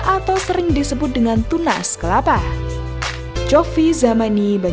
atau sering disebut dengan tunas kelapa